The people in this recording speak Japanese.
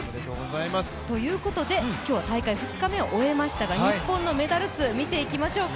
今日は大会２日目を終えましたが、日本のメダル数見ていきましょうか。